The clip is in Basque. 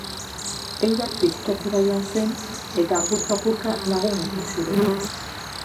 Eurak bisitatzera joan zen eta apurka-apurka lagun egin ziren.